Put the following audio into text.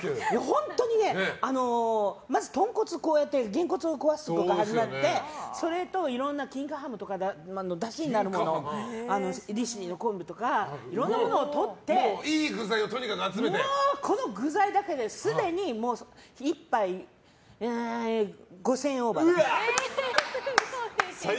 本当に、まず豚骨を拳骨を壊すところから始まってそれと、いろんな金華ハムとかだしになるものを利尻の昆布とかいろんなものをとってこの具材だけですでに１杯５０００円オーバーだね。